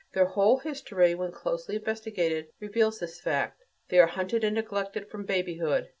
Their whole history, when closely investigated, reveals this fact. They are hunted and neglected from babyhood.